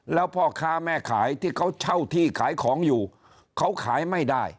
แล้วพ่อค้าแม่ขายที่เขาเช่าที่ขายของอยู่เขาขายไม่ได้